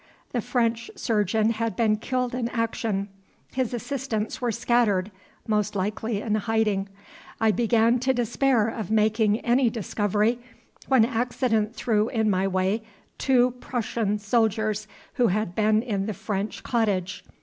The French surgeon had been killed in action. His assistants were scattered most likely in hiding. I began to despair of making any discovery, when accident threw in my way two Prussian soldiers who had been in the French cottage.